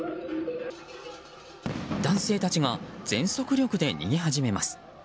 男性たちが全速力で逃げ始めます。